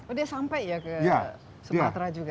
oh dia sampai ya ke sumatera juga